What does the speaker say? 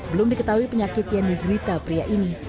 belum diketahui penyakit yang diderita pria ini